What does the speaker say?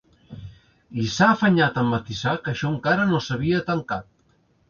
I s’ha afanyat a matisar que això encara no s’havia ‘tancat’.